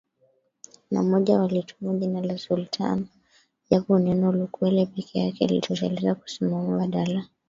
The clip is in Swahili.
na moja walitumia jina la Sultan japo neno Lukwele peke yake lilitosheleza kusimama badala